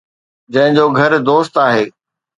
جنهن جو گهر دوست آهي